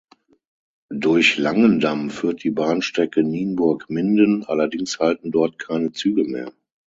Durch Langendamm führt die Bahnstrecke Nienburg–Minden, allerdings halten dort keine Züge mehr.